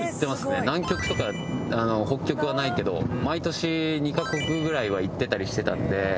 南極とか北極はないけど毎年２カ国ぐらいは行ってたりしてたんで。